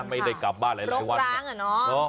ไม่ได้กลับบ้านหลายวันผมรกร้างนะ